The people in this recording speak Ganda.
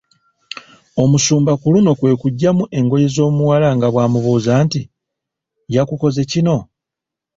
Omusumba ku luno kwe kuggyamu engoye z’omuwala nga bw’amubuuza nti, “yakukoze kino?"